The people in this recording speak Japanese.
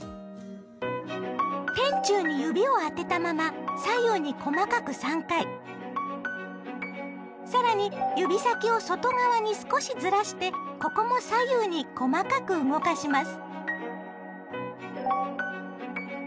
天柱に指を当てたまま更に指先を外側に少しずらしてここも左右に細かく動かします。